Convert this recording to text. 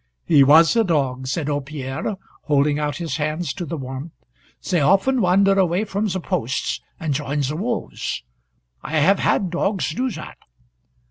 "He was a dog," said old Pierre, holding out his hands to the warmth. "They often wander away from the posts, and join the wolves. I have had dogs do that.